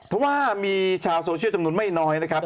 เพราะว่ามีชาวโซเชียลจำนวนไม่น้อยนะครับ